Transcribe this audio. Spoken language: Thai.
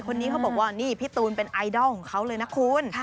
คนนี้เขาบอกว่านี่พี่ตูนเป็นไอดอลของเขาเลยนะคุณ